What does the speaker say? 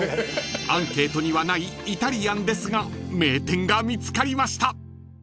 ［アンケートにはないイタリアンですが名店が見つかりました］